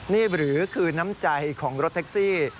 นี่หรือคือน้ำใจของรถแท็กซี่